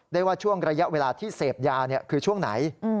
ได้ว่าช่วงระยะเวลาที่เสพยาคือช่วงไหน